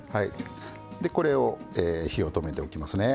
でこれを火を止めておきますね。